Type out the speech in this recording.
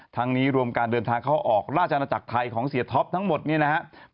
ทั้งนี้รวมการเดินทางเข้าออกราชอาณาจักรไทยของเสียท็อปทั้งหมดเนี่ยนะครับ